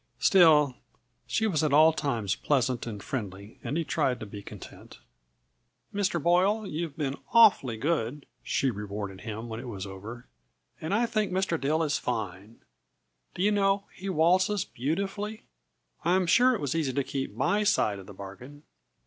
Still, she was at all times pleasant and friendly and he tried to be content. "Mr. Boyle, you've been awfully good," she rewarded him when it was over. "And I think Mr. Dill is fine! Do you know, he waltzes beautifully. I'm sure it was easy to keep my side of the bargain."